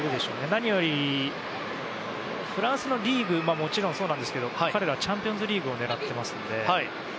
何よりフランスのリーグはもちろんそうですが彼らはチャンピオンズリーグを狙ってますので。